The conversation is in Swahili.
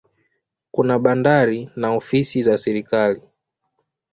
Kuna bandari na ofisi za serikali.